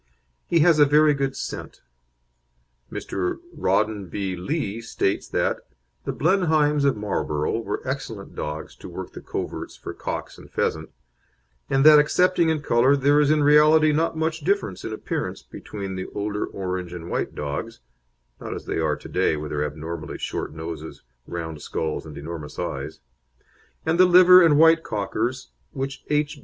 He has a very good scent. Mr. Rawdon B. Lee states that "the Blenheims of Marlborough were excellent dogs to work the coverts for cock and pheasant, and that excepting in colour there is in reality not much difference in appearance between the older orange and white dogs (not as they are to day, with their abnormally short noses, round skulls, and enormous eyes), and the liver and white Cockers which H.